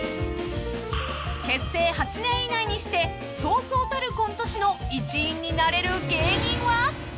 ［結成８年以内にしてそうそうたるコント師の一員になれる芸人は？］